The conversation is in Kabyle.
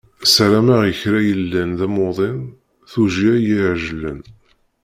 Ssarameɣ i kra yellan d amuḍin tujjya iɛejlen.